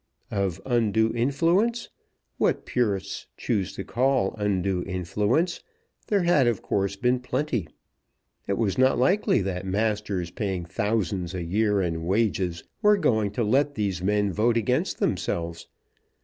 Of undue influence, what purists choose to call undue influence, there had of course been plenty. It was not likely that masters paying thousands a year in wages were going to let these men vote against themselves.